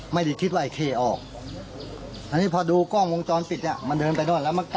ไม่ได้คิดว่าอิเคลออกพอดูกล้องวงจรปิด